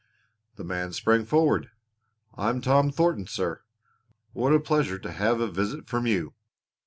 The man sprang forward. "I'm Tom Thornton, sir. What a pleasure to have a visit from you!